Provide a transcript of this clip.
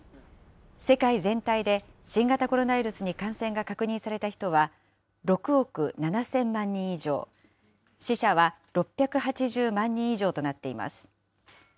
世界全体で新型コロナウイルスに感染が確認された人は６億７０００万人以上、死者は６８０万人以上となっています。